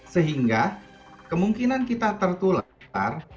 sehingga kemungkinan kita tertular